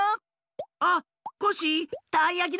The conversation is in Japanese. あコッシーたいやきだよ！